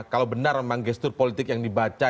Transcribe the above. kalau benar memang gestur politik yang dibaca